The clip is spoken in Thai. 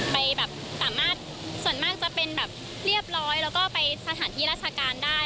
ไปแบบสามารถส่วนมากจะเป็นแบบเรียบร้อยแล้วก็ไปสถานที่ราชการได้